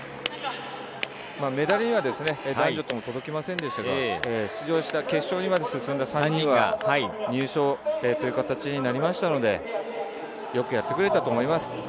メダルには男女とも届きませんでしたが、決勝にまで進んだ３人は、入賞という形になりましたので、よくやってくれたと思います。